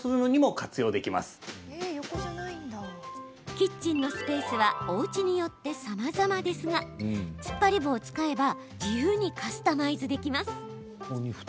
キッチンのスペースはおうちによってさまざまですがつっぱり棒を使えば自由にカスタマイズできます。